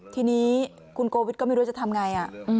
ทีนี้คุณโกวิทย์ก็ไม่รู้จะทำง่ายอืม